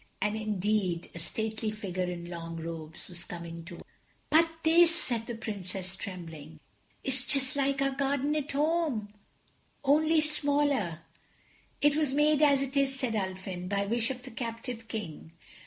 And indeed a stately figure in long robes was coming toward them. "But this," said the Princess, trembling, "is just like our garden at home, only smaller." "It was made as it is," said Ulfin, "by wish of the captive King.